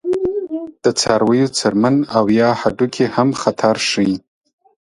د څارویو څرمن او یا هډوکي هم خطر ښيي.